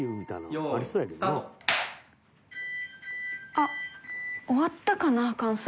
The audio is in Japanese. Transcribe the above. あっ終わったかな乾燥。